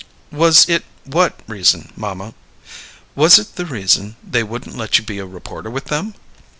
"Was it what reason, mamma?" "Was it the reason they wouldn't let you be a reporter with them?"